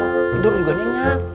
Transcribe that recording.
hidup juga nyenyak